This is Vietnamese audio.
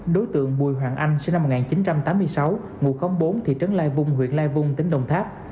đối tượng bùi hoàng anh sinh năm một nghìn chín trăm tám mươi sáu ngụ khóm bốn thị trấn lai vung huyện lai vung tỉnh đồng tháp